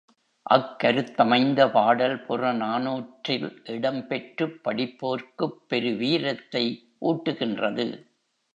அக்கருத்தமைந்த பாடல் புறநானூற்றில் இடம் பெற்றுப் படிப்போர்க்குப் பெருவீரத்தை ஊட்டுகின்றது.